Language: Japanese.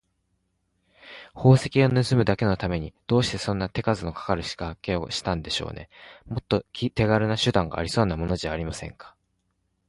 宝石をぬすむだけのために、どうしてそんな手数のかかるしかけをしたんでしょうね。もっと手がるな手段がありそうなものじゃありませんか。